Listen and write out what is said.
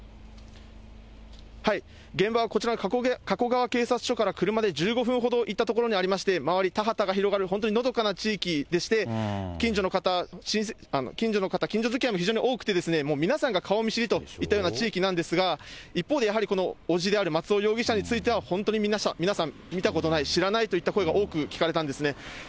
現場はこちら、加古川警察署から車で１５分ほど行ったところにありまして、周り、田畑が広がる、本当にのどかな地域でして、近所の方、近所づきあいも非常に多くて、皆さんが顔見知りといったような地域なんですが、一方でやはり、この伯父である松尾容疑者については、本当に皆さん、見たことない、知らないといった声が多く聞かれたんですね。